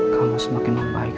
kamu semakin membaik